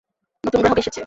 নতুন গ্রাহক এসেছে।